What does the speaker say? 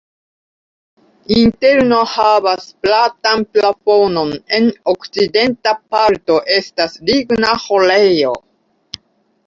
Interno havas platan plafonon, en okcidenta parto estas ligna ĥorejo.